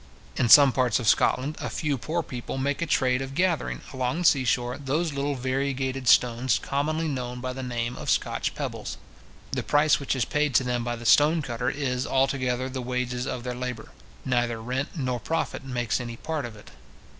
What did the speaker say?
In some parts of Scotland, a few poor people make a trade of gathering, along the sea shore, those little variegated stones commonly known by the name of Scotch pebbles. The price which is paid to them by the stone cutter, is altogether the wages of their labour; neither rent nor profit makes an part of it.